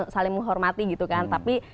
saling menghormati gitu kan tapi